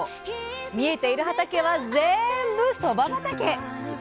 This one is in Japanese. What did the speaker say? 見えている畑はぜんぶそば畑。